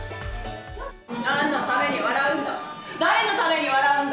なんのために笑うんだ。